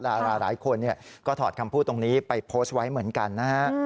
หลายคนก็ถอดคำพูดตรงนี้ไปโพสต์ไว้เหมือนกันนะฮะ